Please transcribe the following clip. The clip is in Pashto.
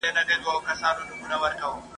مساپري بده بلا ده !.